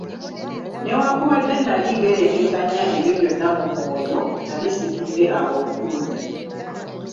Newakubadde nali ngerengetanya ebyo byonna mu mwoyo, nali situdde awo butuuzi.